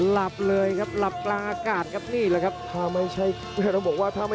ลับเลยครับลับปลางอากาศครับนี่แหละครับ